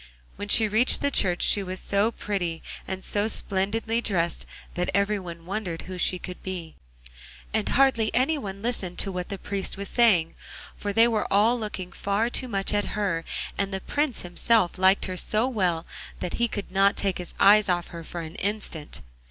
When she reached the church she was so pretty and so splendidly dressed that every one wondered who she could be, and hardly anyone listened to what the priest was saying, for they were all looking far too much at her, and the Prince himself liked her so well that he could not take his eyes off her for an instant.